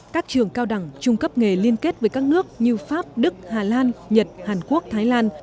các trường cao đẳng trung cấp nghề liên kết với các nước như pháp đức hà lan nhật hàn quốc thái lan